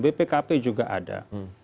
bpkp juga ada